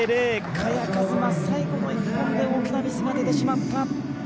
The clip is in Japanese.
萱和磨、最後の一本で大きなミスが出てしまった。